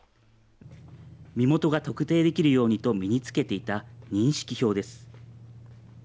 身元が特定できるようにと身につけていた、認識票です。